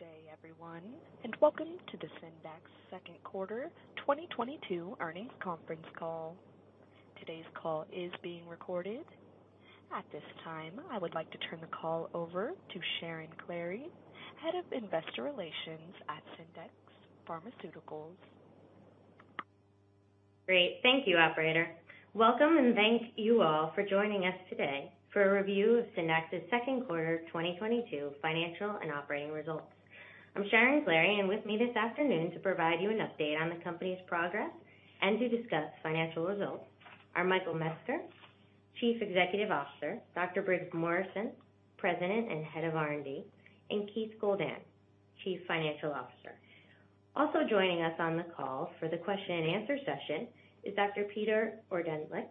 Good day, everyone, and welcome to the Syndax second quarter 2022 earnings conference call. Today's call is being recorded. At this time, I would like to turn the call over to Sharon Klahre, Head of Investor Relations at Syndax Pharmaceuticals. Great. Thank you, operator. Welcome and thank you all for joining us today for a review of Syndax's second quarter 2022 financial and operating results. I'm Sharon Klahre, and with me this afternoon to provide you an update on the company's progress and to discuss financial results are Michael Metzger, Chief Executive Officer, Dr. Briggs Morrison, President and Head of R&D, and Keith Goldan, Chief Financial Officer. Also joining us on the call for the question and answer session is Dr. Peter Ordentlich,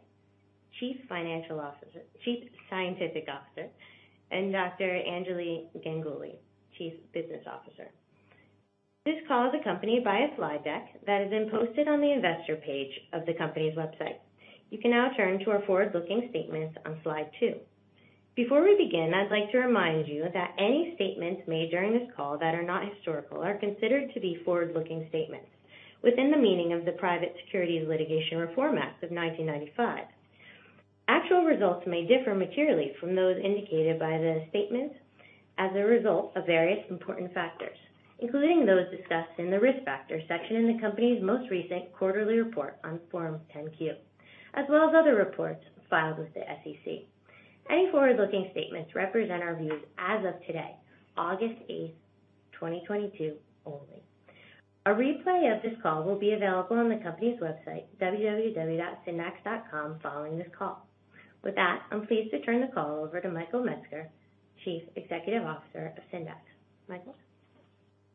Chief Scientific Officer, and Dr. Anjali Ganguli, Chief Business Officer. This call is accompanied by a slide deck that has been posted on the investor page of the company's website. You can now turn to our forward-looking statements on slide 2. Before we begin, I'd like to remind you that any statements made during this call that are not historical are considered to be forward-looking statements within the meaning of the Private Securities Litigation Reform Act of 1995. Actual results may differ materially from those indicated by the statements as a result of various important factors, including those discussed in the Risk Factors section in the company's most recent quarterly report on Form 10-Q, as well as other reports filed with the SEC. Any forward-looking statements represent our views as of today, August 8, 2022 only. A replay of this call will be available on the company's website, www.syndax.com, following this call. With that, I'm pleased to turn the call over to Michael Metzger, Chief Executive Officer of Syndax. Michael?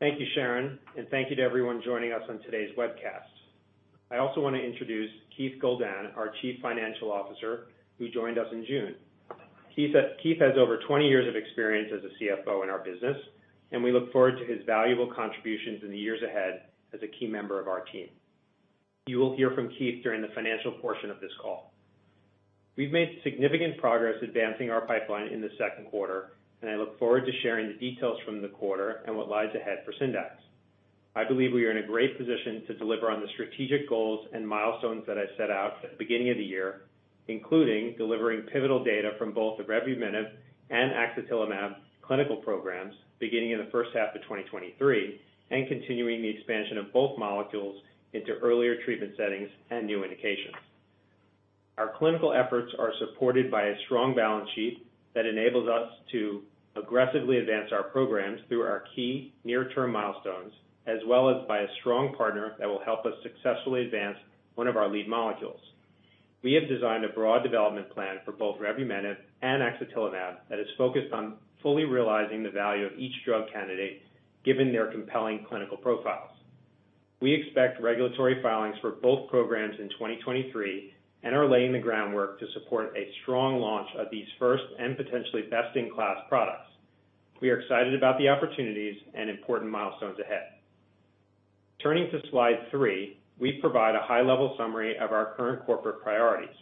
Thank you, Sharon, and thank you to everyone joining us on today's webcast. I also wanna introduce Keith Goldan, our Chief Financial Officer, who joined us in June. Keith has over 20 years of experience as a CFO in our business, and we look forward to his valuable contributions in the years ahead as a key member of our team. You will hear from Keith during the financial portion of this call. We've made significant progress advancing our pipeline in the second quarter, and I look forward to sharing the details from the quarter and what lies ahead for Syndax. I believe we are in a great position to deliver on the strategic goals and milestones that I set out at the beginning of the year, including delivering pivotal data from both the revumenib and axatilimab clinical programs beginning in the first half of 2023, and continuing the expansion of both molecules into earlier treatment settings and new indications. Our clinical efforts are supported by a strong balance sheet that enables us to aggressively advance our programs through our key near-term milestones, as well as by a strong partner that will help us successfully advance one of our lead molecules. We have designed a broad development plan for both revumenib and axatilimab that is focused on fully realizing the value of each drug candidate given their compelling clinical profiles. We expect regulatory filings for both programs in 2023 and are laying the groundwork to support a strong launch of these first and potentially best-in-class products. We are excited about the opportunities and important milestones ahead. Turning to slide 3, we provide a high-level summary of our current corporate priorities.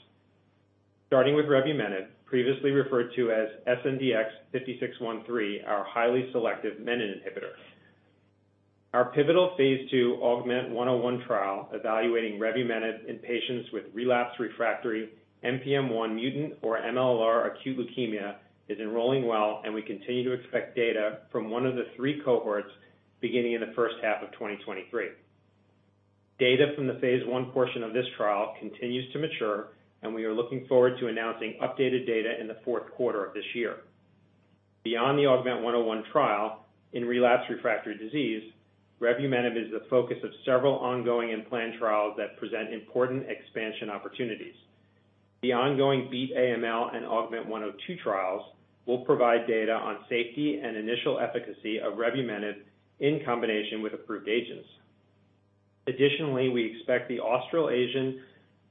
Starting with revumenib, previously referred to as SNDX-5613, our highly selective menin inhibitor. Our pivotal phase II AUGMENT-101 trial evaluating revumenib in patients with relapsed/refractory NPM1-mutant or MLL-r acute leukemia is enrolling well, and we continue to expect data from one of the three cohorts beginning in the first half of 2023. Data from the phase I portion of this trial continues to mature, and we are looking forward to announcing updated data in the fourth quarter of this year. Beyond the AUGMENT-101 trial in relapsed refractory disease, revumenib is the focus of several ongoing and planned trials that present important expansion opportunities. The ongoing BEAT AML and AUGMENT-102 trials will provide data on safety and initial efficacy of revumenib in combination with approved agents. Additionally, we expect the Australasian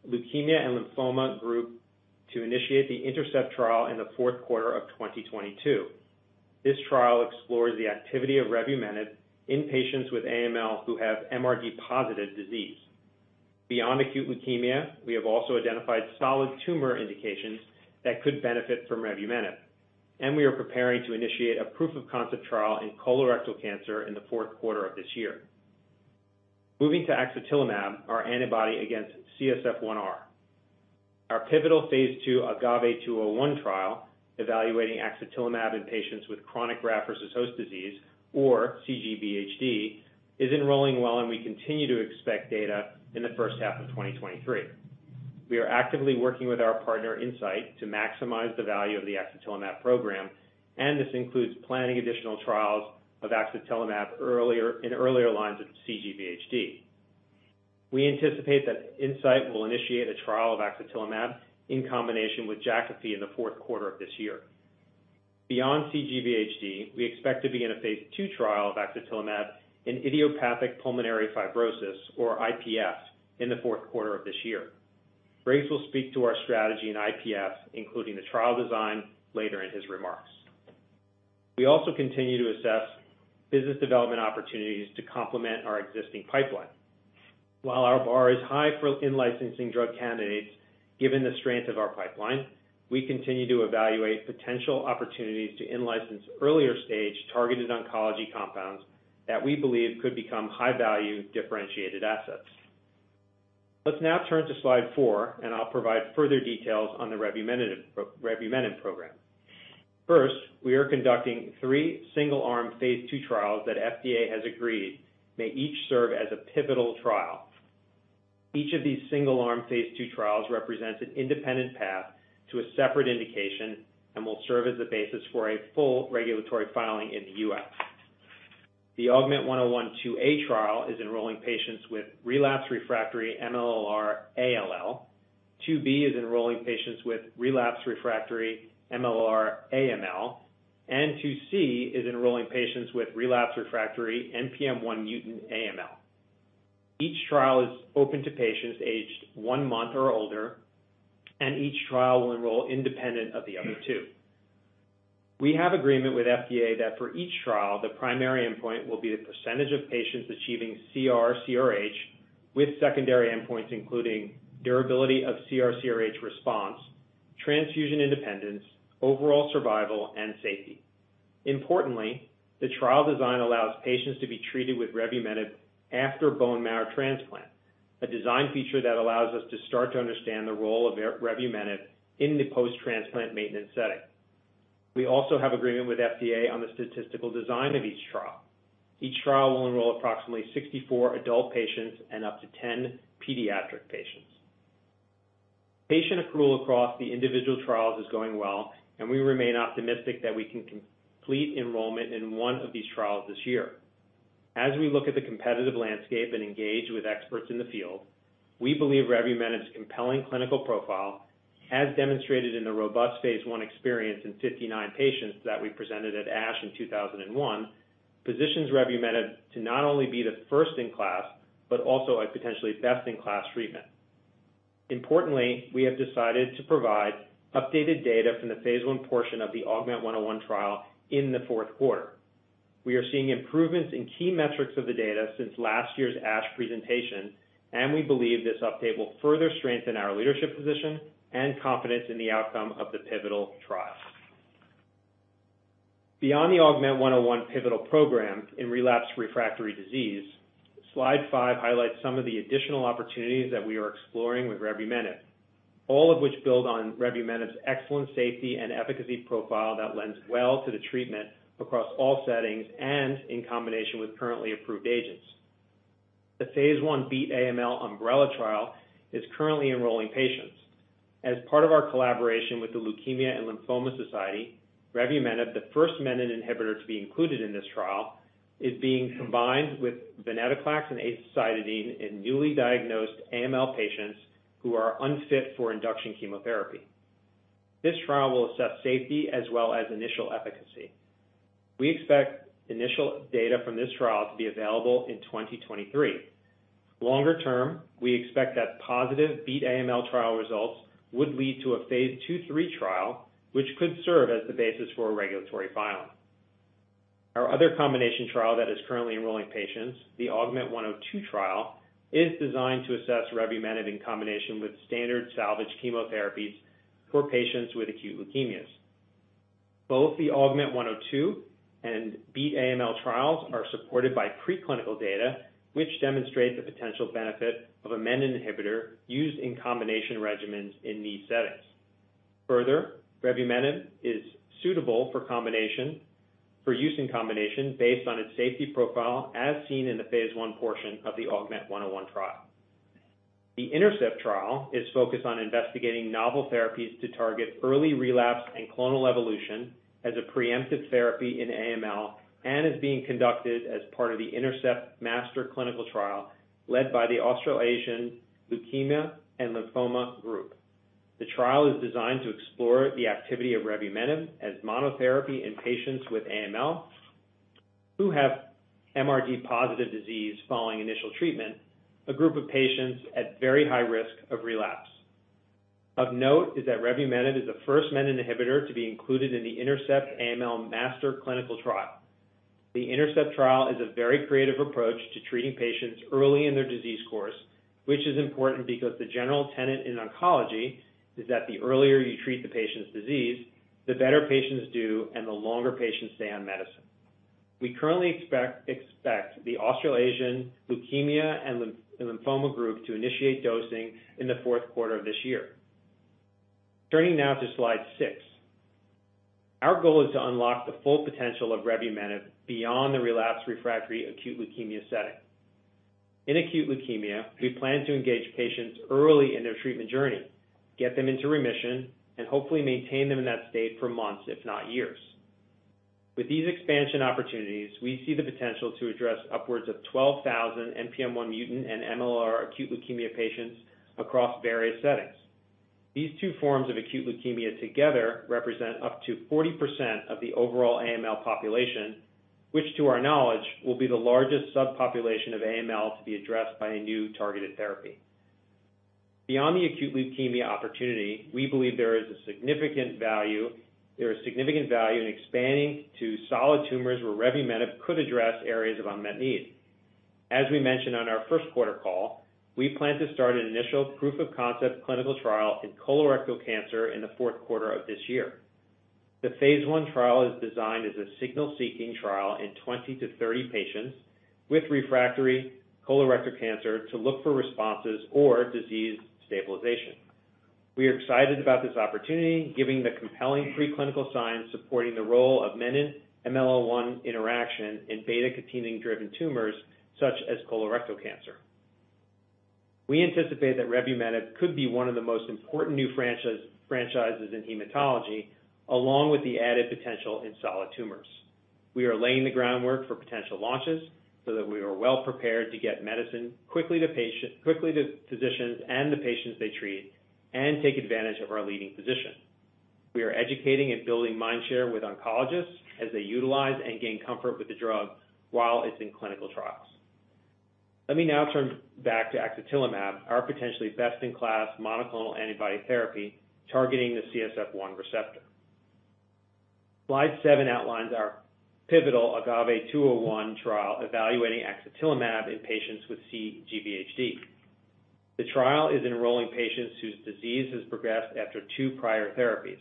Leukaemia and Lymphoma Group to initiate the INTERCEPT trial in the fourth quarter of 2022. This trial explores the activity of revumenib in patients with AML who have MRD-positive disease. Beyond acute leukemia, we have also identified solid tumor indications that could benefit from revumenib, and we are preparing to initiate a proof-of-concept trial in colorectal cancer in the fourth quarter of this year. Moving to axatilimab, our antibody against CSF1R. Our pivotal phase II AGAVE-201 trial evaluating axatilimab in patients with chronic graft-versus-host disease or cGVHD is enrolling well, and we continue to expect data in the first half of 2023. We are actively working with our partner, Incyte, to maximize the value of the axatilimab program, and this includes planning additional trials of axatilimab in earlier lines of cGVHD. We anticipate that Incyte will initiate a trial of axatilimab in combination with Jakafi in the fourth quarter of this year. Beyond cGVHD, we expect to be in a phase II trial of axatilimab in idiopathic pulmonary fibrosis or IPF in the fourth quarter of this year. Briggs will speak to our strategy in IPF, including the trial design later in his remarks. We also continue to assess business development opportunities to complement our existing pipeline. While our bar is high for in-licensing drug candidates, given the strength of our pipeline, we continue to evaluate potential opportunities to in-license earlier-stage targeted oncology compounds that we believe could become high-value differentiated assets. Let's now turn to slide 4, and I'll provide further details on the revumenib program. First, we are conducting three single-arm phase II trials that FDA has agreed may each serve as a pivotal trial. Each of these single-arm phase II trials represents an independent path to a separate indication and will serve as the basis for a full regulatory filing in the U.S. The AUGMENT-101-2a trial is enrolling patients with relapsed/refractory MLL-r ALL, 2b is enrolling patients with relapsed/refractory MLL-r AML, and 2c is enrolling patients with relapsed/refractory NPM1-mutant AML. Each trial is open to patients aged one month or older, and each trial will enroll independent of the other two. We have agreement with FDA that for each trial, the primary endpoint will be the percentage of patients achieving CR/CRh, with secondary endpoints including durability of CR/CRh response, transfusion independence, overall survival, and safety. Importantly, the trial design allows patients to be treated with revumenib after bone marrow transplant, a design feature that allows us to start to understand the role of revumenib in the post-transplant maintenance setting. We also have agreement with FDA on the statistical design of each trial. Each trial will enroll approximately 64 adult patients and up to 10 pediatric patients. Patient accrual across the individual trials is going well, and we remain optimistic that we can complete enrollment in one of these trials this year. As we look at the competitive landscape and engage with experts in the field, we believe revumenib's compelling clinical profile, as demonstrated in the robust phase I experience in 59 patients that we presented at ASH in 2021, positions revumenib to not only be the first in class, but also a potentially best in class treatment. Importantly, we have decided to provide updated data from the phase I portion of the AUGMENT-101 trial in the fourth quarter. We are seeing improvements in key metrics of the data since last year's ASH presentation, and we believe this update will further strengthen our leadership position and confidence in the outcome of the pivotal trial. Beyond the AUGMENT-101 pivotal program in relapsed refractory disease, slide 5 highlights some of the additional opportunities that we are exploring with revumenib, all of which build on revumenib's excellent safety and efficacy profile that lends well to the treatment across all settings and in combination with currently approved agents. The phase I BEAT-AML umbrella trial is currently enrolling patients. As part of our collaboration with the Leukemia & Lymphoma Society, revumenib, the first menin inhibitor to be included in this trial, is being combined with venetoclax and azacitidine in newly diagnosed AML patients who are unfit for induction chemotherapy. This trial will assess safety as well as initial efficacy. We expect initial data from this trial to be available in 2023. Longer term, we expect that positive BEAT AML trial results would lead to a phase II/III trial, which could serve as the basis for a regulatory filing. Our other combination trial that is currently enrolling patients, the AUGMENT-102 trial, is designed to assess revumenib in combination with standard salvage chemotherapies for patients with acute leukemias. Both the AUGMENT-102 and BEAT AML trials are supported by preclinical data, which demonstrate the potential benefit of a menin inhibitor used in combination regimens in these settings. Further, revumenib is suitable for use in combination based on its safety profile as seen in the phase I portion of the AUGMENT-101 trial. The INTERCEPT trial is focused on investigating novel therapies to target early relapse and clonal evolution as a preemptive therapy in AML and is being conducted as part of the INTERCEPT Master Clinical Trial led by the Australasian Leukemia and Lymphoma Group. The trial is designed to explore the activity of revumenib as monotherapy in patients with AML who have MRD positive disease following initial treatment, a group of patients at very high risk of relapse. Of note is that revumenib is the first menin inhibitor to be included in the INTERCEPT AML Master Clinical Trial. The INTERCEPT trial is a very creative approach to treating patients early in their disease course, which is important because the general tenet in oncology is that the earlier you treat the patient's disease, the better patients do and the longer patients stay on medicine. We currently expect the Australasian Leukemia and Lymphoma Group to initiate dosing in the fourth quarter of this year. Turning now to slide 6. Our goal is to unlock the full potential of revumenib beyond the relapsed refractory acute leukemia setting. In acute leukemia, we plan to engage patients early in their treatment journey, get them into remission, and hopefully maintain them in that state for months, if not years. With these expansion opportunities, we see the potential to address upwards of 12,000 NPM1 mutant and MLL-r acute leukemia patients across various settings. These two forms of acute leukemia together represent up to 40% of the overall AML population, which to our knowledge will be the largest subpopulation of AML to be addressed by a new targeted therapy. Beyond the acute leukemia opportunity, we believe there is significant value in expanding to solid tumors where revumenib could address areas of unmet need. As we mentioned on our first quarter call, we plan to start an initial proof of concept clinical trial in colorectal cancer in the fourth quarter of this year. The phase I trial is designed as a signal-seeking trial in 20-30 patients with refractory colorectal cancer to look for responses or disease stabilization. We are excited about this opportunity, given the compelling preclinical signs supporting the role of menin-MLL1 interaction in beta-catenin-driven tumors such as colorectal cancer. We anticipate that revumenib could be one of the most important new franchises in hematology, along with the added potential in solid tumors. We are laying the groundwork for potential launches so that we are well-prepared to get medicine quickly to patients, quickly to physicians and the patients they treat, and take advantage of our leading position. We are educating and building mind share with oncologists as they utilize and gain comfort with the drug while it's in clinical trials. Let me now turn back to axatilimab, our potentially best-in-class monoclonal antibody therapy targeting the CSF1 receptor. Slide 7 outlines our pivotal AGAVE-201 trial evaluating axatilimab in patients with cGVHD. The trial is enrolling patients whose disease has progressed after two prior therapies.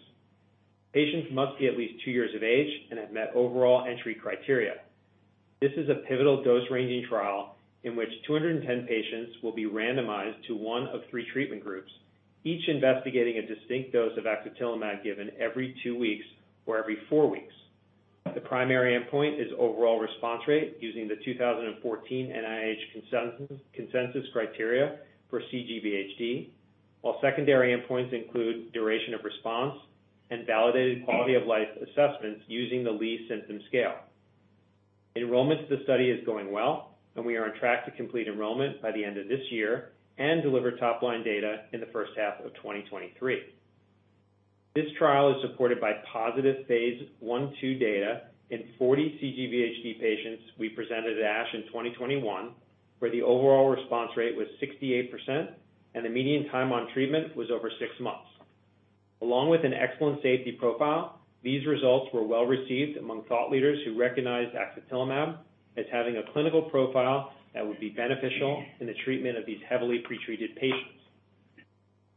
Patients must be at least two years of age and have met overall entry criteria. This is a pivotal dose-ranging trial in which 210 patients will be randomized to one of three treatment groups, each investigating a distinct dose of axatilimab given every two weeks or every four weeks. The primary endpoint is overall response rate using the 2014 NIH consensus criteria for cGVHD, while secondary endpoints include duration of response and validated quality of life assessments using the Lee Symptom Scale. Enrollment to the study is going well, and we are on track to complete enrollment by the end of this year and deliver top-line data in the first half of 2023. This trial is supported by positive phase I/II data in 40 cGVHD patients we presented at ASH in 2021, where the overall response rate was 68% and the median time on treatment was over six months. Along with an excellent safety profile, these results were well-received among thought leaders who recognized axatilimab as having a clinical profile that would be beneficial in the treatment of these heavily pretreated patients.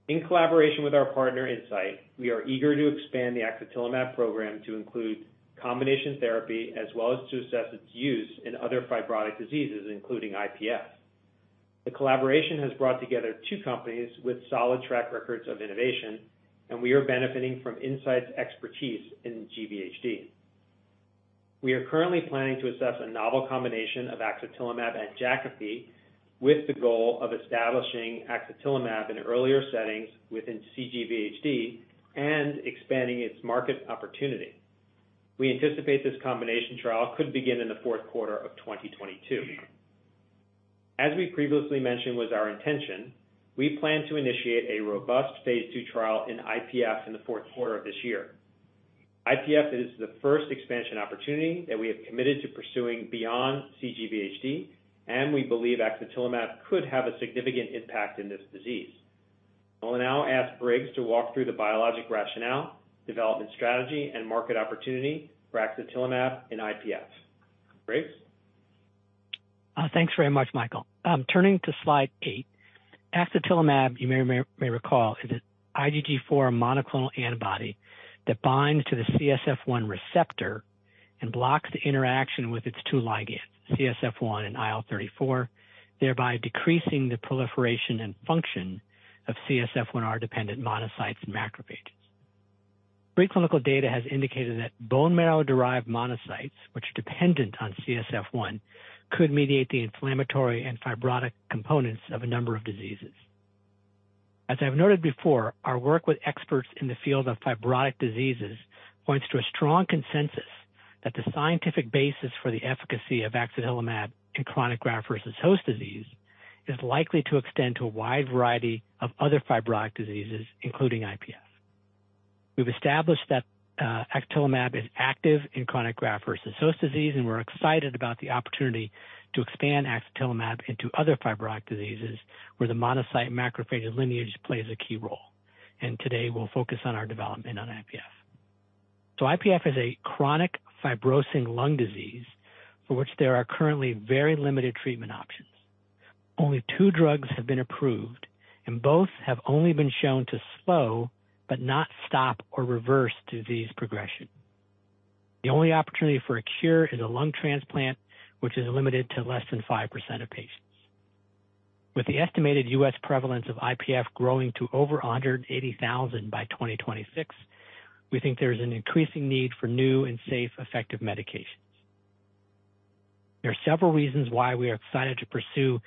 In collaboration with our partner, Incyte, we are eager to expand the axatilimab program to include combination therapy as well as to assess its use in other fibrotic diseases, including IPF. The collaboration has brought together two companies with solid track records of innovation, and we are benefiting from Incyte's expertise in GVHD. We are currently planning to assess a novel combination of axatilimab and Jakafi with the goal of establishing axatilimab in earlier settings within cGVHD and expanding its market opportunity. We anticipate this combination trial could begin in the fourth quarter of 2022. As we previously mentioned was our intention, we plan to initiate a robust phase II trial in IPF in the fourth quarter of this year. IPF is the first expansion opportunity that we have committed to pursuing beyond cGVHD, and we believe axatilimab could have a significant impact in this disease. I will now ask Briggs to walk through the biologic rationale, development strategy, and market opportunity for axatilimab in IPF. Briggs? Thanks very much, Michael. Turning to slide 8, axatilimab, you may recall, is an IgG4 monoclonal antibody that binds to the CSF1 receptor and blocks the interaction with its two ligands, CSF1 and IL34, thereby decreasing the proliferation and function of CSF1R-dependent monocytes and macrophages. Preclinical data has indicated that bone marrow-derived monocytes, which are dependent on CSF1, could mediate the inflammatory and fibrotic components of a number of diseases. As I've noted before, our work with experts in the field of fibrotic diseases points to a strong consensus that the scientific basis for the efficacy of axatilimab in chronic graft-versus-host disease is likely to extend to a wide variety of other fibrotic diseases, including IPF. We've established that, axatilimab is active in chronic graft-versus-host disease, and we're excited about the opportunity to expand axatilimab into other fibrotic diseases where the monocyte macrophage lineage plays a key role. Today, we'll focus on our development on IPF. IPF is a chronic fibrosing lung disease for which there are currently very limited treatment options. Only two drugs have been approved, and both have only been shown to slow but not stop or reverse disease progression. The only opportunity for a cure is a lung transplant, which is limited to less than 5% of patients. With the estimated U.S. prevalence of IPF growing to over 180,000 by 2026, we think there is an increasing need for new and safe, effective medications. There are several reasons why we are excited to pursue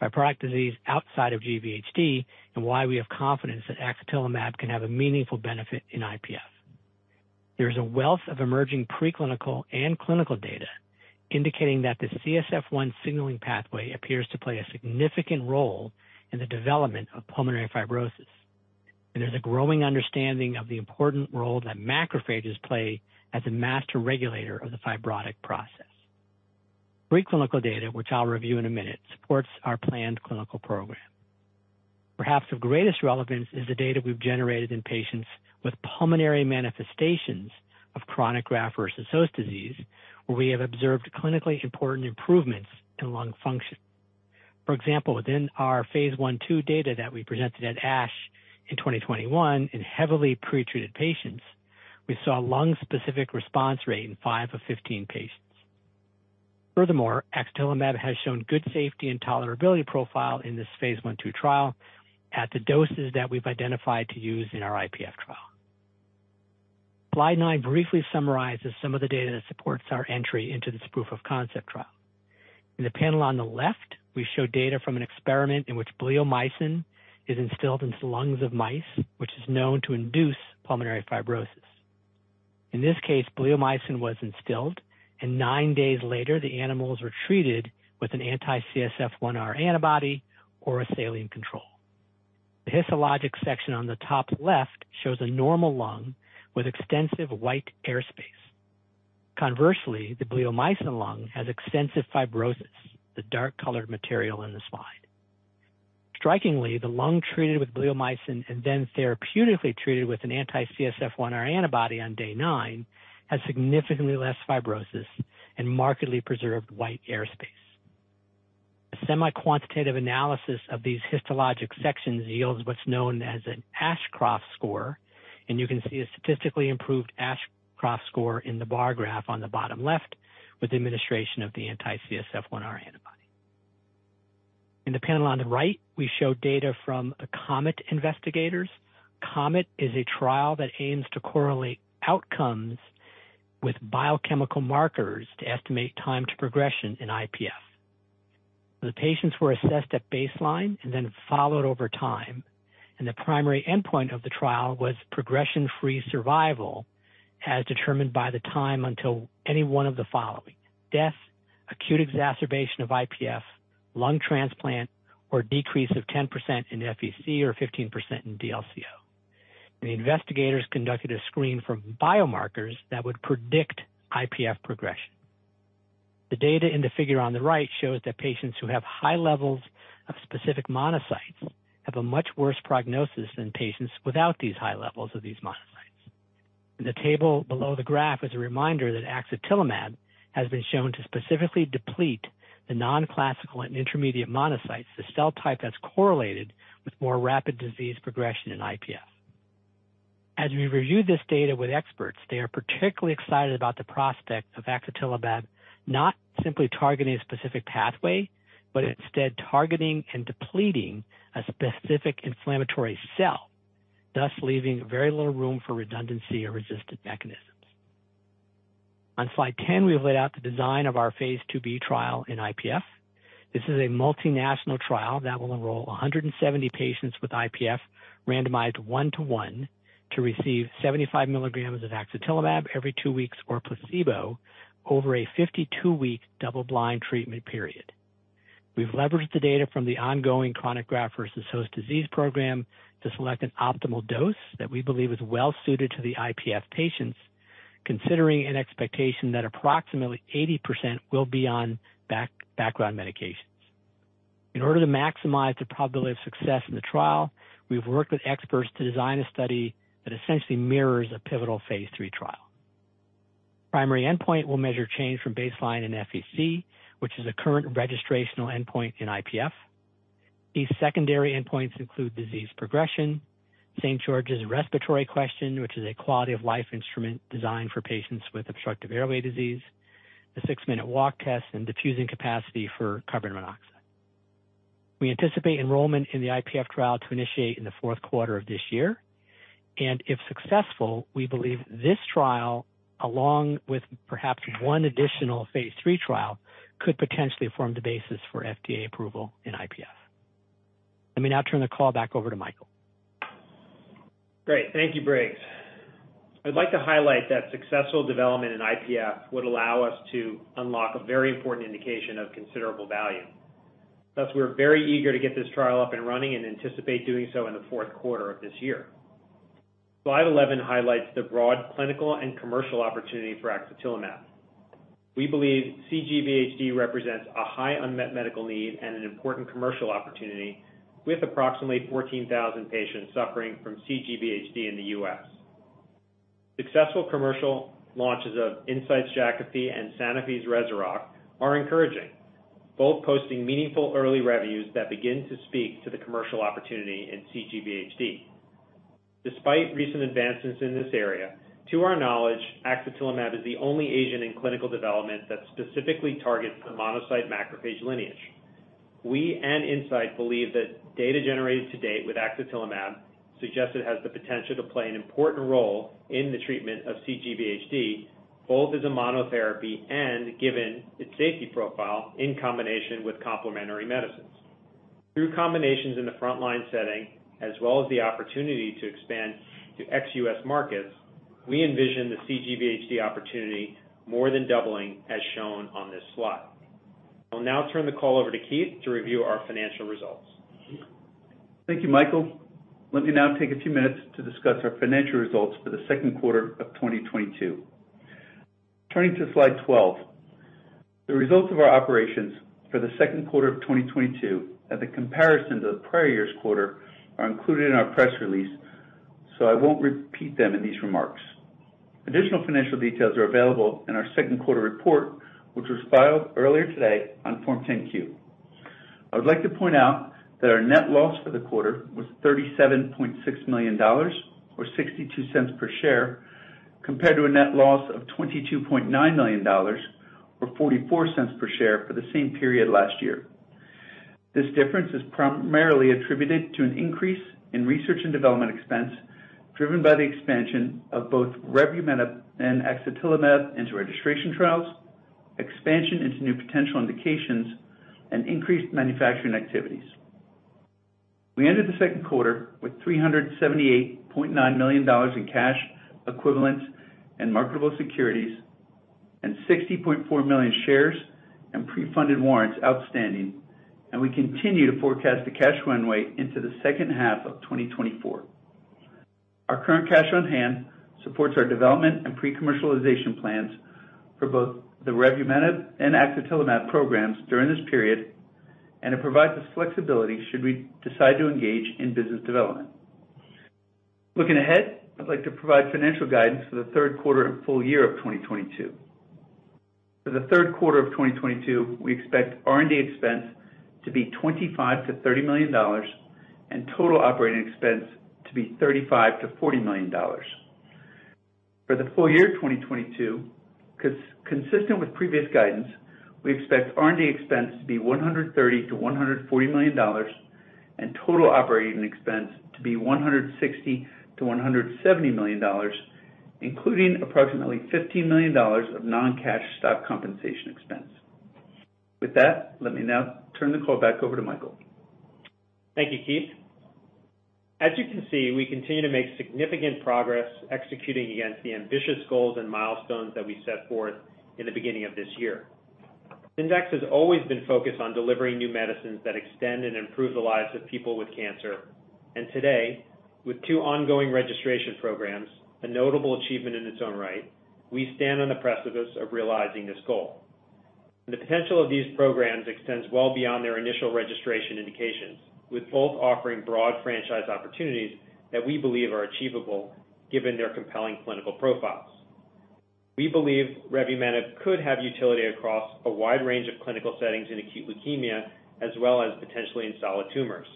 fibrotic disease outside of GVHD and why we have confidence that axatilimab can have a meaningful benefit in IPF. There is a wealth of emerging preclinical and clinical data indicating that the CSF1 signaling pathway appears to play a significant role in the development of pulmonary fibrosis, and there's a growing understanding of the important role that macrophages play as a master regulator of the fibrotic process. Preclinical data, which I'll review in a minute, supports our planned clinical program. Perhaps of greatest relevance is the data we've generated in patients with pulmonary manifestations of chronic graft-versus-host disease, where we have observed clinically important improvements in lung function. For example, within our phase I/II data that we presented at ASH in 2021 in heavily pretreated patients, we saw lung-specific response rate in 5 of 15 patients. Furthermore, axatilimab has shown good safety and tolerability profile in this phase I/II trial at the doses that we've identified to use in our IPF trial. Slide 9 briefly summarizes some of the data that supports our entry into this proof of concept trial. In the panel on the left, we show data from an experiment in which bleomycin is instilled into the lungs of mice, which is known to induce pulmonary fibrosis. In this case, bleomycin was instilled, and nine days later the animals were treated with an anti-CSF1R antibody or a saline control. The histologic section on the top left shows a normal lung with extensive white airspace. Conversely, the bleomycin lung has extensive fibrosis, the dark-colored material in the slide. Strikingly, the lung treated with bleomycin and then therapeutically treated with an anti-CSF1R antibody on day 9 has significantly less fibrosis and markedly preserved white airspace. A semi-quantitative analysis of these histologic sections yields what's known as an Ashcroft score, and you can see a statistically improved Ashcroft score in the bar graph on the bottom left with the administration of the anti-CSF1R antibody. In the panel on the right, we show data from the COMET investigators. COMET is a trial that aims to correlate outcomes with biochemical markers to estimate time to progression in IPF. The patients were assessed at baseline and then followed over time, and the primary endpoint of the trial was progression-free survival, as determined by the time until any one of the following. Death, acute exacerbation of IPF, lung transplant, or decrease of 10% in FVC or 15% in DLCO. The investigators conducted a screen for biomarkers that would predict IPF progression. The data in the figure on the right shows that patients who have high levels of specific monocytes have a much worse prognosis than patients without these high levels of these monocytes. The table below the graph is a reminder that axatilimab has been shown to specifically deplete the non-classical and intermediate monocytes, the cell type that's correlated with more rapid disease progression in IPF. As we reviewed this data with experts, they are particularly excited about the prospect of axatilimab not simply targeting a specific pathway, but instead targeting and depleting a specific inflammatory cell, thus leaving very little room for redundancy or resistant mechanisms. On slide 10, we've laid out the design of our phase II-B trial in IPF. This is a multinational trial that will enroll 170 patients with IPF randomized one-to-one to receive 75 mg of axatilimab every two weeks or placebo over a 52-week double-blind treatment period. We've leveraged the data from the ongoing chronic graft-versus-host disease program to select an optimal dose that we believe is well suited to the IPF patients, considering an expectation that approximately 80% will be on background medications. In order to maximize the probability of success in the trial, we've worked with experts to design a study that essentially mirrors a pivotal phase III trial. Primary endpoint will measure change from baseline in FVC, which is a current registrational endpoint in IPF. These secondary endpoints include disease progression, St. George's Respiratory Questionnaire, which is a quality of life instrument designed for patients with obstructive airway disease, the six-minute walk test, and diffusing capacity for carbon monoxide. We anticipate enrollment in the IPF trial to initiate in the fourth quarter of this year, and if successful, we believe this trial, along with perhaps one additional phase III trial, could potentially form the basis for FDA approval in IPF. Let me now turn the call back over to Michael. Great. Thank you, Briggs. I'd like to highlight that successful development in IPF would allow us to unlock a very important indication of considerable value. Thus, we're very eager to get this trial up and running and anticipate doing so in the fourth quarter of this year. Slide 11 highlights the broad clinical and commercial opportunity for axatilimab. We believe cGVHD represents a high unmet medical need and an important commercial opportunity, with approximately 14,000 patients suffering from cGVHD in the U.S. Successful commercial launches of Incyte's Jakafi and Sanofi's Rezurock are encouraging, both posting meaningful early revenues that begin to speak to the commercial opportunity in cGVHD. Despite recent advancements in this area, to our knowledge, axatilimab is the only agent in clinical development that specifically targets the monocyte macrophage lineage. We and Incyte believe that data generated to date with axatilimab suggests it has the potential to play an important role in the treatment of cGVHD, both as a monotherapy and, given its safety profile, in combination with complementary medicines. Through combinations in the front-line setting, as well as the opportunity to expand to ex-U.S. markets, we envision the cGVHD opportunity more than doubling as shown on this slide. I'll now turn the call over to Keith to review our financial results. Thank you, Michael. Let me now take a few minutes to discuss our financial results for the second quarter of 2022. Turning to slide 12. The results of our operations for the second quarter of 2022 and the comparison to the prior year's quarter are included in our press release, so I won't repeat them in these remarks. Additional financial details are available in our second quarter report, which was filed earlier today on Form 10-Q. I would like to point out that our net loss for the quarter was $37.6 million or $0.62 per share, compared to a net loss of $22.9 million or $0.44 per share for the same period last year. This difference is primarily attributed to an increase in research and development expense driven by the expansion of both revumenib and axatilimab into registration trials, expansion into new potential indications, and increased manufacturing activities. We ended the second quarter with $378.9 million in cash equivalents and marketable securities, and 60.4 million shares and pre-funded warrants outstanding. We continue to forecast the cash runway into the second half of 2024. Our current cash on hand supports our development and pre-commercialization plans for both the revumenib and axatilimab programs during this period, and it provides us flexibility should we decide to engage in business development. Looking ahead, I'd like to provide financial guidance for the third quarter and full year of 2022. For the third quarter of 2022, we expect R&D expense to be $25 million-$30 million and total operating expense to be $35 million-$40 million. For the full year 2022, consistent with previous guidance, we expect R&D expense to be $130 million-$140 million and total operating expense to be $160 million-$170 million, including approximately $15 million of non-cash stock compensation expense. With that, let me now turn the call back over to Michael. Thank you, Keith. As you can see, we continue to make significant progress executing against the ambitious goals and milestones that we set forth in the beginning of this year. Syndax has always been focused on delivering new medicines that extend and improve the lives of people with cancer. Today, with two ongoing registration programs, a notable achievement in its own right, we stand on the precipice of realizing this goal. The potential of these programs extends well beyond their initial registration indications, with both offering broad franchise opportunities that we believe are achievable given their compelling clinical profiles. We believe revumenib could have utility across a wide range of clinical settings in acute leukemia as well as potentially in solid tumors.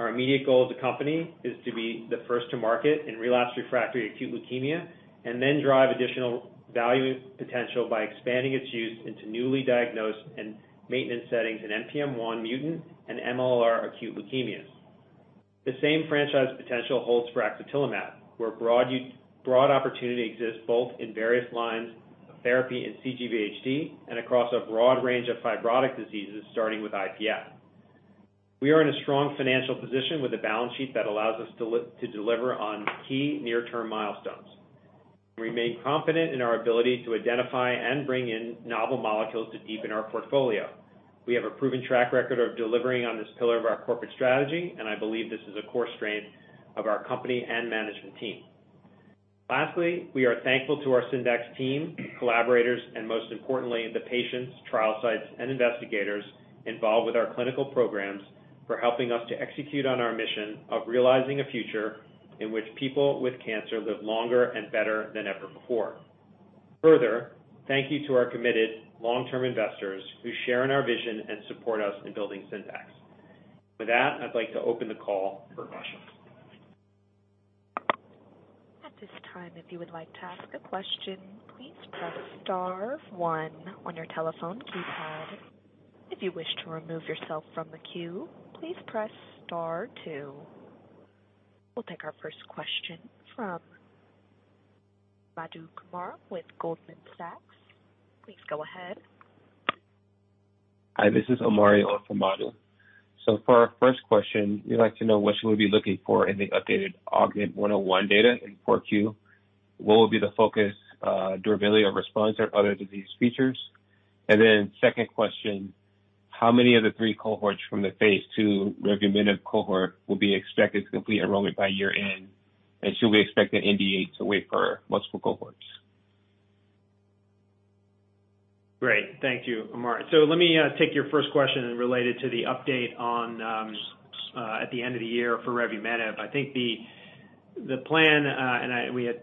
Our immediate goal as a company is to be the first to market in relapsed refractory acute leukemia and then drive additional value potential by expanding its use into newly diagnosed and maintenance settings in NPM1 mutant and MLL-r acute leukemias. The same franchise potential holds for axatilimab, where broad opportunity exists both in various lines of therapy in cGVHD and across a broad range of fibrotic diseases, starting with IPF. We are in a strong financial position with a balance sheet that allows us to deliver on key near-term milestones. We remain confident in our ability to identify and bring in novel molecules to deepen our portfolio. We have a proven track record of delivering on this pillar of our corporate strategy, and I believe this is a core strength of our company and management team. Lastly, we are thankful to our Syndax team, collaborators, and most importantly, the patients, trial sites, and investigators involved with our clinical programs for helping us to execute on our mission of realizing a future in which people with cancer live longer and better than ever before. Further, thank you to our committed long-term investors who share in our vision and support us in building Syndax. With that, I'd like to open the call for questions. At this time, if you would like to ask a question, please press star one on your telephone keypad. If you wish to remove yourself from the queue, please press star two. We'll take our first question from Madhu Kumar with Goldman Sachs. Please go ahead. Hi, this is Ammar on for Madhu. For our first question, we'd like to know what should we be looking for in the updated AUGMENT-101 data in 4Q? What will be the focus, durability of response or other disease features? Second question, how many of the three cohorts from the phase II revumenib cohort will be expected to complete enrollment by year-end? Should we expect an NDA to wait for multiple cohorts? Great. Thank you, Ammar. Let me take your first question related to the update on at the end of the year for revumenib. I think the plan, and we had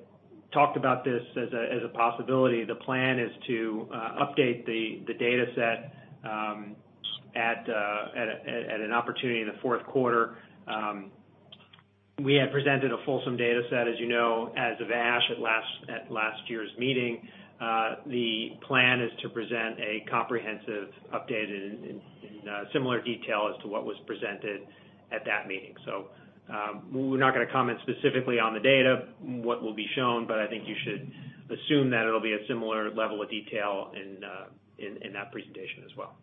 talked about this as a possibility. The plan is to update the dataset at an opportunity in the fourth quarter. We had presented a fulsome dataset, as you know, as of ASH at last year's meeting. The plan is to present a comprehensive update in similar detail as to what was presented at that meeting. We're not gonna comment specifically on the data, what will be shown, but I think you should assume that it'll be a similar level of detail in that presentation as well.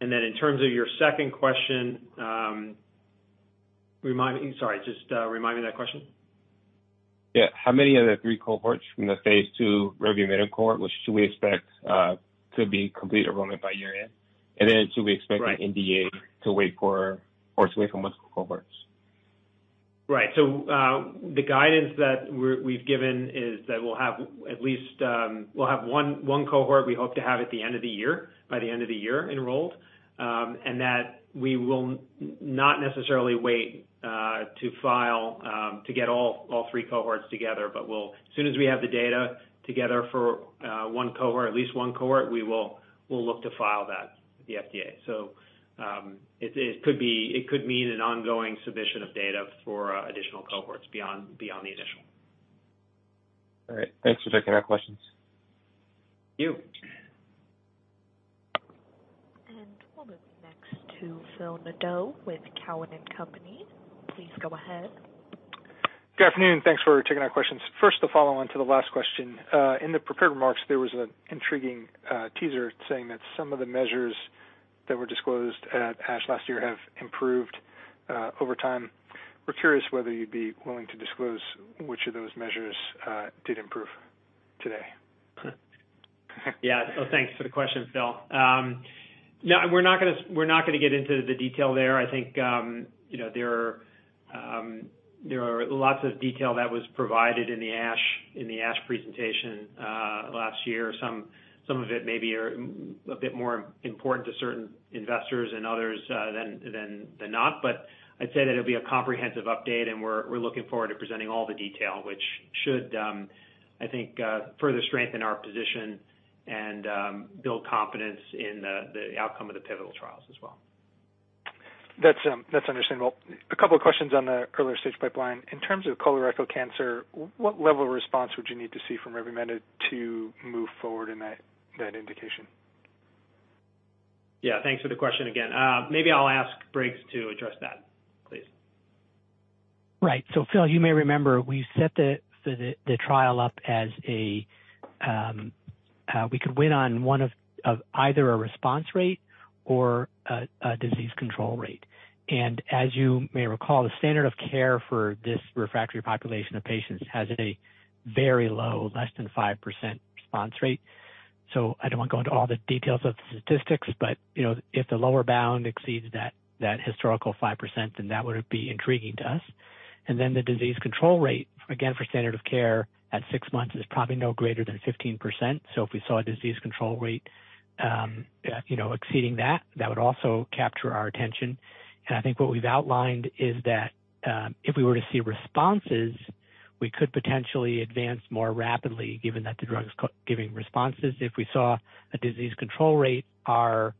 In terms of your second question, sorry, just remind me that question. How many of the three cohorts from the phase II revumenib cohort, which should we expect to be complete enrollment by year-end? Then should we expect- Right. -an NDA to wait for or multiple cohorts? Right. The guidance that we've given is that we'll have at least one cohort we hope to have by the end of the year enrolled, and that we will not necessarily wait to file to get all three cohorts together, but as soon as we have the data together for one cohort, we'll look to file that with the FDA. It could mean an ongoing submission of data for additional cohorts beyond the initial. All right. Thanks for taking our questions. Thank you. We'll move next to Phil Nadeau with Cowen and Company. Please go ahead. Good afternoon, thanks for taking our questions. First, to follow on to the last question. In the prepared remarks, there was an intriguing teaser saying that some of the measures that were disclosed at ASH last year have improved over time. We're curious whether you'd be willing to disclose which of those measures did improve today? Yeah. Thanks for the question, Phil. No, we're not gonna get into the detail there. I think you know, there are lots of detail that was provided in the ASH presentation last year. Some of it maybe are a bit more important to certain investors and others than not. I'd say that it'll be a comprehensive update, and we're looking forward to presenting all the detail, which should further strengthen our position and build confidence in the outcome of the pivotal trials as well. That's understandable. A couple of questions on the earlier stage pipeline. In terms of colorectal cancer, what level of response would you need to see from revumenib to move forward in that indication? Yeah, thanks for the question again. Maybe I'll ask Briggs to address that, please. Right. Phil, you may remember we set the trial up as we could win on one of either a response rate or a disease control rate. As you may recall, the standard of care for this refractory population of patients has a very low, less than 5% response rate. I don't want to go into all the details of the statistics, but you know, if the lower bound exceeds that historical 5%, then that would be intriguing to us. Then the disease control rate, again, for standard of care at six months is probably no greater than 15%. If we saw a disease control rate, you know, exceeding that would also capture our attention. I think what we've outlined is that, if we were to see responses, we could potentially advance more rapidly given that the drug is giving responses. If we saw a disease control rate, the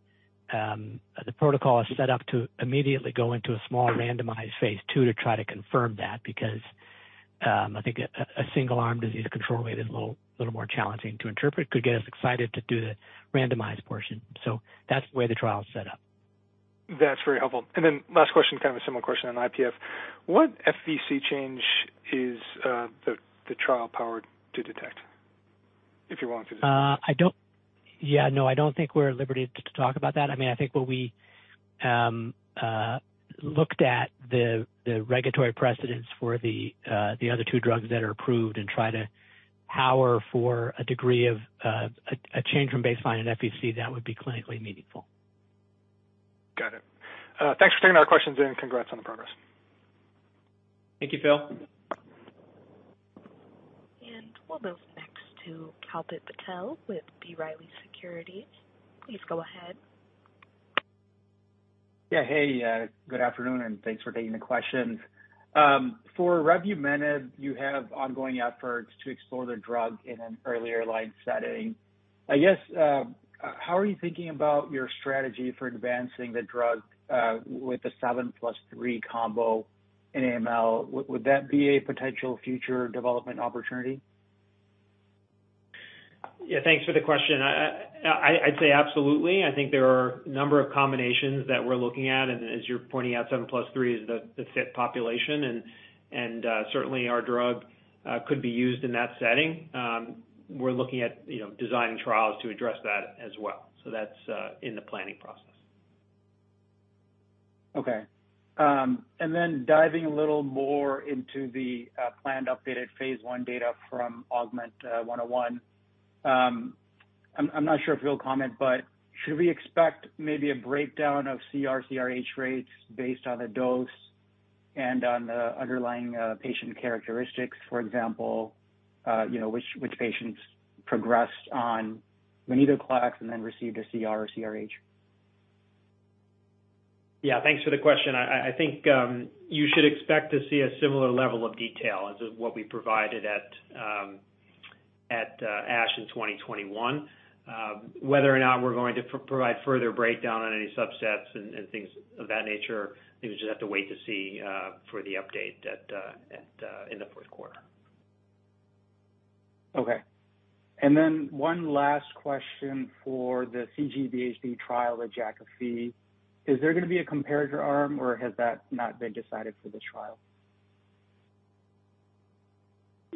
protocol is set up to immediately go into a small randomized phase II to try to confirm that because I think a single-arm disease control rate is a little more challenging to interpret. Could get us excited to do the randomized portion. That's the way the trial is set up. That's very helpful. Last question, kind of a similar question on IPF. What FVC change is the trial powered to detect, if you're willing to disclose? I don't think we're at liberty to talk about that. I mean, I think what we looked at the regulatory precedent for the other two drugs that are approved and tried to power for a degree of a change from baseline in FVC that would be clinically meaningful. Got it. Thanks for taking our questions, and congrats on the progress. Thank you, Phil. We'll move next to Kalpit Patel with B. Riley Securities. Please go ahead. Yeah. Hey, good afternoon, and thanks for taking the questions. For revumenib, you have ongoing efforts to explore the drug in an earlier line setting. I guess, how are you thinking about your strategy for advancing the drug, with the 7 + 3 combo in AML? Would that be a potential future development opportunity? Yeah, thanks for the question. I'd say absolutely. I think there are a number of combinations that we're looking at, and as you're pointing out, 7 + 3 is the fit population, and certainly our drug could be used in that setting. We're looking at, you know, designing trials to address that as well. That's in the planning process. Okay. Diving a little more into the planned updated phase I data from AUGMENT-101. I'm not sure if you'll comment, but should we expect maybe a breakdown of CR/CRh rates based on the dose and on the underlying patient characteristics? For example, you know, which patients progressed on venetoclax and then received a CR or CRh? Thanks for the question. I think you should expect to see a similar level of detail as what we provided at ASH in 2021. Whether or not we're going to provide further breakdown on any subsets and things of that nature, I think we just have to wait to see for the update in the fourth quarter. Okay. One last question for the cGVHD trial with Jakafi. Is there gonna be a comparator arm or has that not been decided for the trial?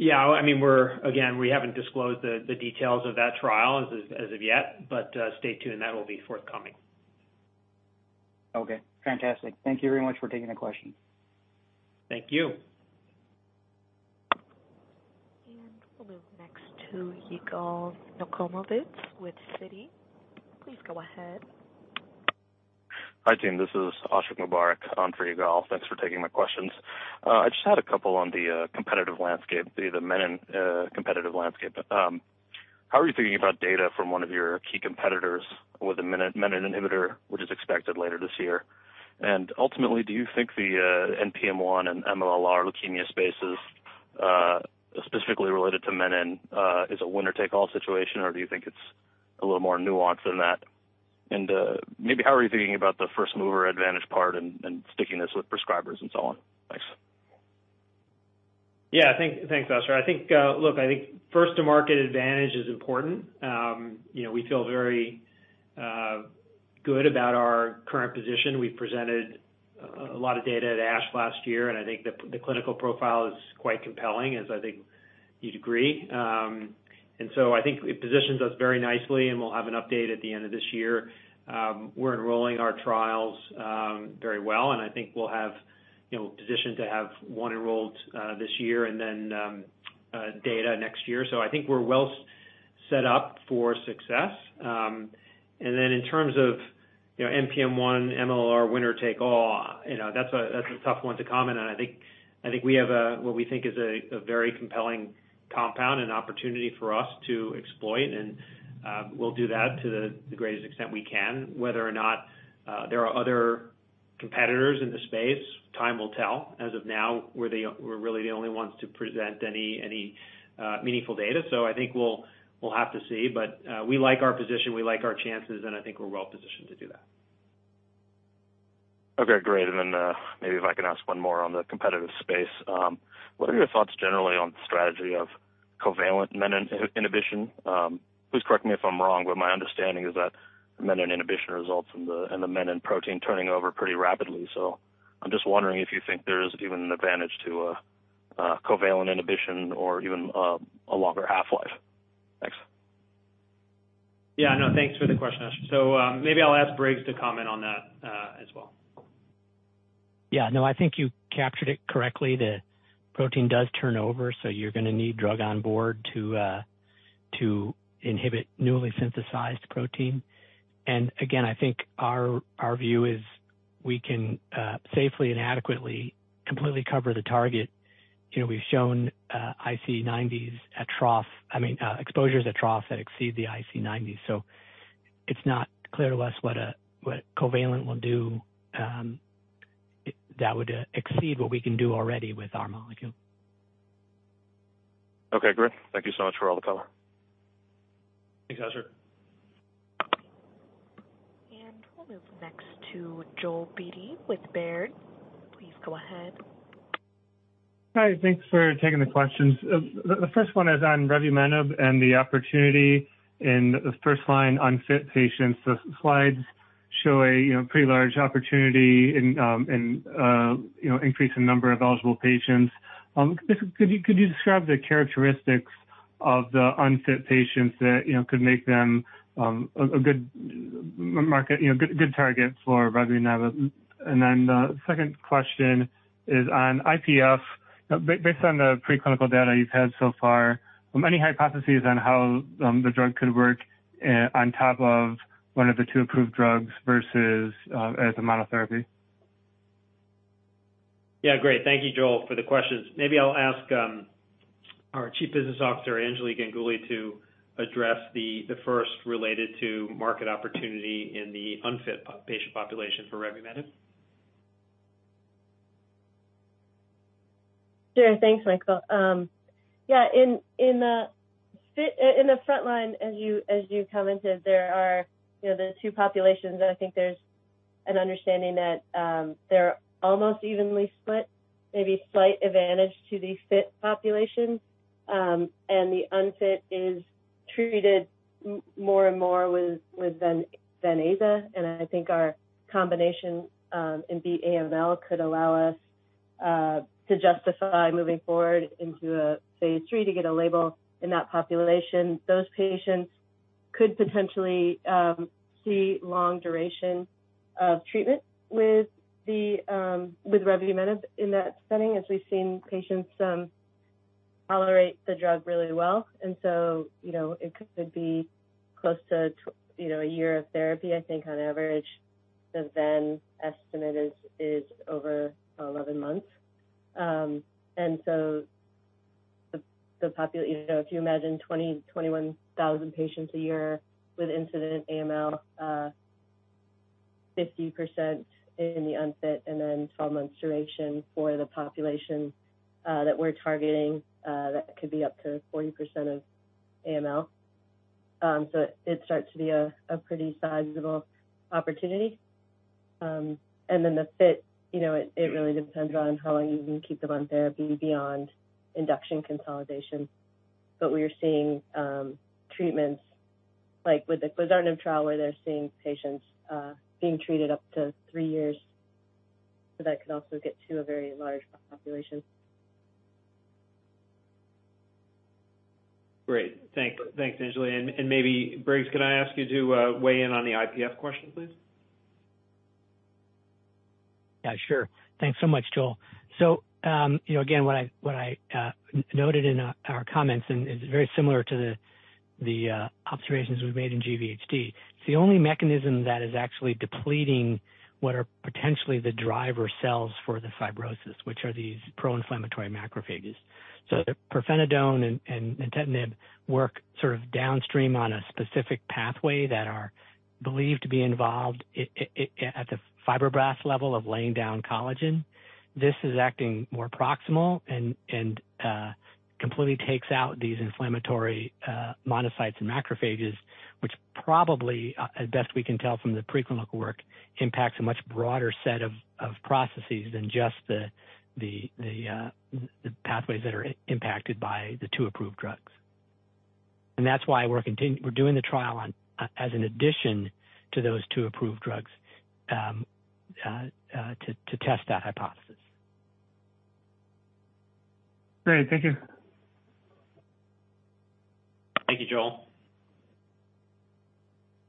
Yeah. I mean, we're again, we haven't disclosed the details of that trial as of yet, but stay tuned. That will be forthcoming. Okay, fantastic. Thank you very much for taking the question. Thank you. We'll move next to Yigal Nochomovitz with Citi. Please go ahead. Hi, team. This is Ashiq Mubarack on for Yigal. Thanks for taking my questions. I just had a couple on the competitive landscape, the menin competitive landscape. How are you thinking about data from one of your key competitors with a menin inhibitor, which is expected later this year? Ultimately, do you think the NPM1 and MLL-r leukemia spaces, specifically related to menin, is a winner-take-all situation, or do you think it's a little more nuanced than that? Maybe how are you thinking about the first mover advantage part and stickiness with prescribers and so on? Thanks. Yeah. Thanks, Ashiq. I think first to market advantage is important. You know, we feel very good about our current position. We've presented a lot of data at ASH last year, and I think the clinical profile is quite compelling, as I think you'd agree. I think it positions us very nicely, and we'll have an update at the end of this year. We're enrolling our trials very well, and I think we'll have positioned to have one enrolled this year and then data next year. I think we're well set up for success. In terms of you know, NPM1, MLL-r winner take all, you know, that's a tough one to comment on. I think we have a what we think is a very compelling compound and opportunity for us to exploit, and we'll do that to the greatest extent we can. Whether or not there are other competitors in the space, time will tell. As of now, we're really the only ones to present any meaningful data. I think we'll have to see. We like our position, we like our chances, and I think we're well positioned to do that. Okay, great. Maybe if I can ask one more on the competitive space. What are your thoughts generally on strategy of covalent Menin inhibition? Please correct me if I'm wrong, but my understanding is that Menin inhibition results in the Menin protein turning over pretty rapidly. I'm just wondering if you think there is even an advantage to a covalent inhibition or even a longer half-life. Thanks. Yeah, no, thanks for the question, Ashiq. Maybe I'll ask Briggs to comment on that, as well. Yeah. No, I think you captured it correctly. The protein does turn over, so you're gonna need drug on board to inhibit newly synthesized protein. Again, I think our view is we can safely and adequately completely cover the target. You know, we've shown IC90s at trough. I mean, exposures at trough that exceed the IC90. It's not clear to us what covalent will do that would exceed what we can do already with our molecule. Okay, great. Thank you so much for all the color. Thanks, Ashiq. We'll move next to Joel Beatty with Baird. Please go ahead. Hi. Thanks for taking the questions. The first one is on revumenib and the opportunity in the first line unfit patients. The slides show a you know pretty large opportunity in you know increasing number of eligible patients. Could you describe the characteristics of the unfit patients that you know could make them a good market you know good targets for revumenib? And then the second question is on IPF. Based on the preclinical data you've had so far, any hypotheses on how the drug could work on top of one of the two approved drugs versus as a monotherapy? Yeah. Great. Thank you, Joel, for the questions. Maybe I'll ask our Chief Business Officer, Anjali Ganguli, to address the first related to market opportunity in the unfit patient population for revumenib. Sure. Thanks, Michael. In the frontline, as you commented, there are, you know, the two populations, and I think there's an understanding that they're almost evenly split, maybe slight advantage to the fit population. The unfit is treated more and more with ven/aza, and I think our combination in BEAT AML could allow us to justify moving forward into a phase III to get a label in that population. Those patients could potentially see long duration of treatment with revumenib in that setting, as we've seen patients tolerate the drug really well. You know, it could be close to a year of therapy, I think, on average. The ven/aza estimate is over 11 months. The population. You know, if you imagine 20,000-21,000 patients a year with incident AML, 50% in the unfit and then 12 months duration for the population that we're targeting, that could be up to 40% of AML. It starts to be a pretty sizable opportunity. Then the fit, you know, it really depends on how long you can keep them on therapy beyond induction consolidation. We are seeing treatments like with the quizartinib trial, where they're seeing patients being treated up to three years, so that could also get to a very large population. Great. Thanks. Thanks, Anjali. Maybe Briggs, can I ask you to weigh in on the IPF question, please? Yeah, sure. Thanks so much, Joel. You know, again, what I noted in our comments and is very similar to the observations we've made in GVHD. It's the only mechanism that is actually depleting what are potentially the driver cells for the fibrosis, which are these pro-inflammatory macrophages. The pirfenidone and nintedanib work sort of downstream on a specific pathway that are believed to be involved at the fibroblast level of laying down collagen. This is acting more proximal and completely takes out these inflammatory monocytes and macrophages, which probably, as best we can tell from the preclinical work, impacts a much broader set of processes than just the pathways that are impacted by the two approved drugs. That's why we're doing the trial on, as an addition to those two approved drugs, to test that hypothesis. Great, thank you. Thank you, Joel.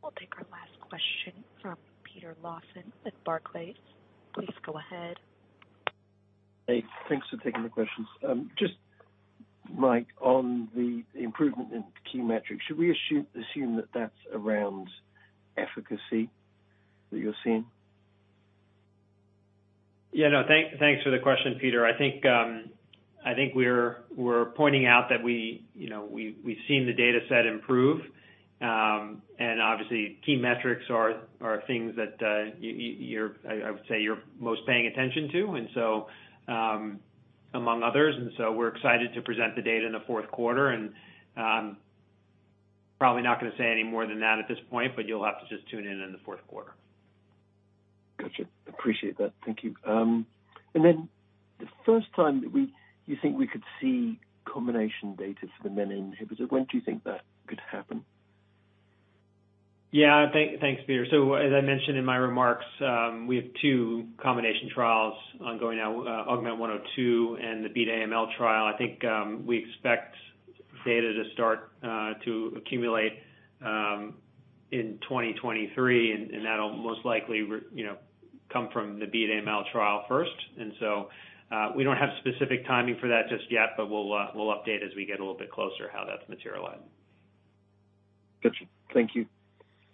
We'll take our last question from Peter Lawson with Barclays. Please go ahead. Hey, thanks for taking the questions. Just Mike, on the improvement in key metrics, should we assume that that's around efficacy that you're seeing? Yeah, no, thanks for the question, Peter. I think we're pointing out that we, you know, we've seen the data set improve. Obviously key metrics are things that, I would say, you're most paying attention to. Among others, we're excited to present the data in the fourth quarter and probably not gonna say any more than that at this point, but you'll have to just tune in in the fourth quarter. Gotcha. Appreciate that. Thank you. The first time that you think we could see combination data for the menin inhibitor, when do you think that could happen? Thanks, Peter. As I mentioned in my remarks, we have two combination trials ongoing now, AUGMENT-102 and the BEAT AML trial. I think, we expect data to start to accumulate in 2023, and that'll most likely you know, come from the BEAT AML trial first. We don't have specific timing for that just yet, but we'll update as we get a little bit closer how that's materialized. Gotcha. Thank you.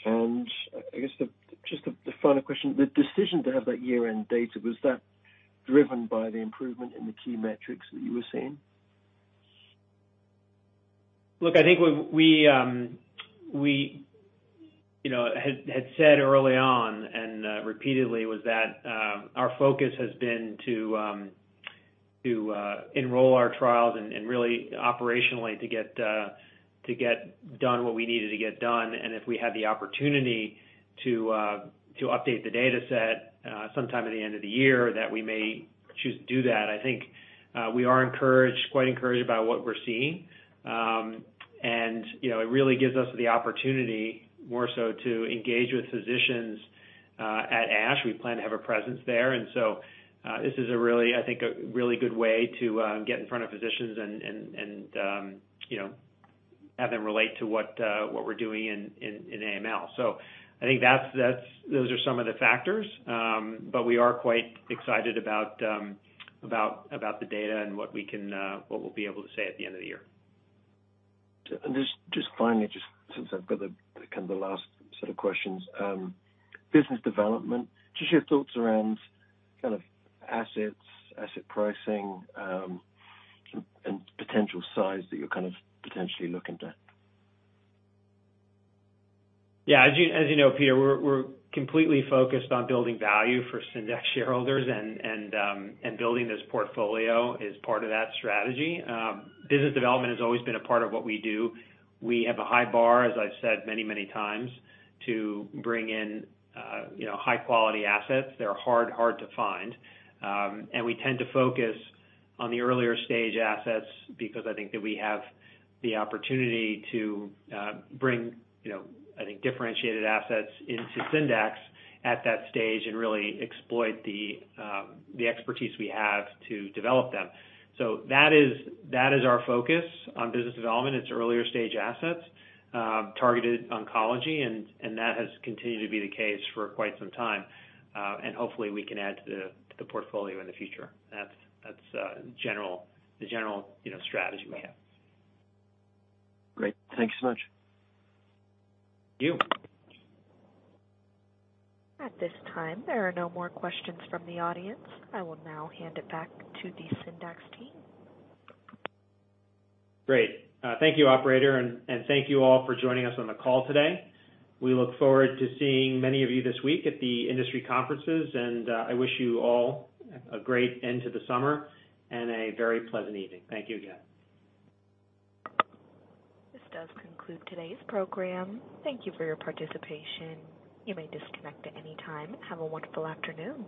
I guess just the final question, the decision to have that year-end data, was that driven by the improvement in the key metrics that you were seeing? Look, I think what we you know had said early on and repeatedly was that our focus has been to enroll our trials and really operationally to get done what we needed to get done. If we had the opportunity to update the data set sometime at the end of the year, that we may choose to do that. I think we are encouraged, quite encouraged by what we're seeing. You know, it really gives us the opportunity more so to engage with physicians at ASH. We plan to have a presence there. This is a really, I think, a really good way to get in front of physicians and, you know, have them relate to what we're doing in AML. I think that's those are some of the factors. We are quite excited about the data and what we'll be able to say at the end of the year. Just finally, since I've got the kinda the last set of questions. Business development, just your thoughts around kind of assets, asset pricing, and potential size that you're kind of potentially looking at. Yeah, as you know, Peter, we're completely focused on building value for Syndax shareholders and building this portfolio is part of that strategy. Business development has always been a part of what we do. We have a high bar, as I've said many times, to bring in high quality assets. They're hard to find. We tend to focus on the earlier stage assets because I think that we have the opportunity to bring differentiated assets into Syndax at that stage and really exploit the expertise we have to develop them. That is our focus on business development. It's earlier stage assets, targeted oncology, and that has continued to be the case for quite some time. Hopefully we can add to the portfolio in the future. That's the general, you know, strategy we have. Great. Thank you so much. Thank you. At this time, there are no more questions from the audience. I will now hand it back to the Syndax team. Great. Thank you, operator, and thank you all for joining us on the call today. We look forward to seeing many of you this week at the industry conferences, and I wish you all a great end to the summer and a very pleasant evening. Thank you again. This does conclude today's program. Thank you for your participation. You may disconnect at any time. Have a wonderful afternoon.